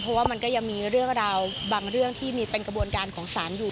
เพราะว่ามันก็ยังมีเรื่องราวบางเรื่องที่มีเป็นกระบวนการของศาลอยู่